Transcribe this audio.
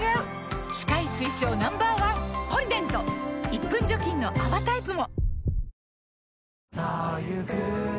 １分除菌の泡タイプも！